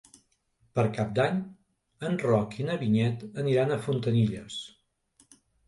Per Cap d'Any en Roc i na Vinyet aniran a Fontanilles.